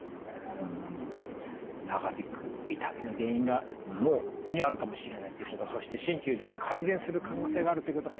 ん長引く痛みの原因が脳にあるかもしれないということそして鍼灸で改善する可能性があるということがよく分かりました。